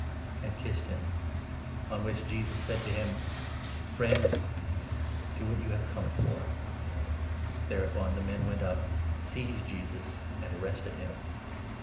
and kissed him ; on which Jesus said to him : 50 " Friend, do what you have come for." Thereupon the men went up, seized Jesus, and arrested him. 3» Ps. 43. 5. 94 MATTHEW, 26.